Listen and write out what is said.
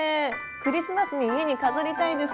クリスマスに家に飾りたいです。